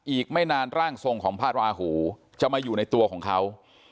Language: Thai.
อีกไม่นานร่างทรงของพระราหูจะมาอยู่ในตัวของเขา